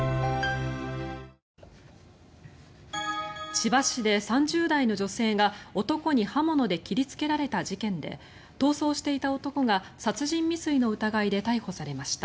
千葉市で３０代の女性が男に刃物で切りつけられた事件で逃走していた男が殺人未遂の疑いで逮捕されました。